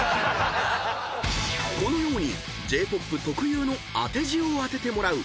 ［このようにＪ−ＰＯＰ特有の当て字を当ててもらう］